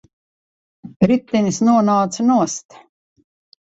Ritenis nonāca nost.